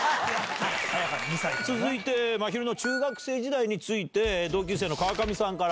続いて、まひるの中学生時代について、同級生の川上さんから。